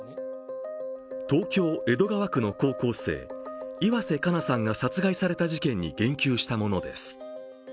東京・江戸川区の高校生岩瀬加奈さんが殺害された事件に言及したものです。